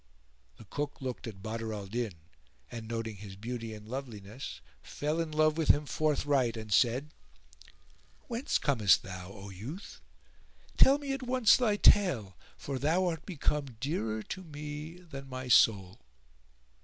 The Cook looked at Badr al Din and, noting his beauty and loveliness, fell in love with him forthright and said, "Whence comest thou, O youth? Tell me at once thy tale, for thou art become dearer to me than my soul."